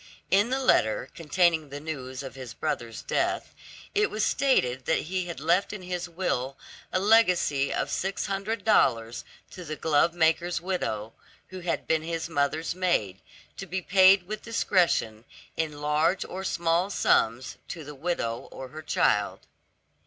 In the letter, containing the news of his brother's death, it was stated that he had left in his will a legacy of six hundred dollars to the glovemaker's widow, who had been his mother's maid, to be paid with discretion, in large or small sums to the widow or her child.